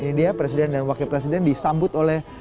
ini dia presiden dan wakil presiden disambut oleh